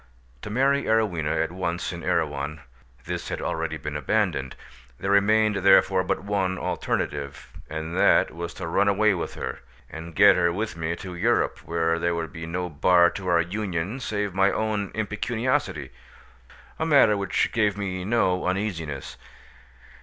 To marry Arowhena at once in Erewhon—this had already been abandoned: there remained therefore but one alternative, and that was to run away with her, and get her with me to Europe, where there would be no bar to our union save my own impecuniosity, a matter which gave me no uneasiness.